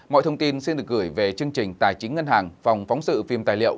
mọi thông tin xin được gửi về chương trình tài chính ngân hàng phòng phóng sự phim tài liệu